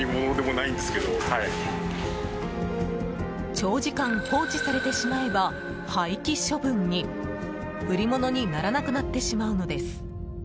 長時間放置されてしまえば廃棄処分に。売り物にならなくなってしまうのです。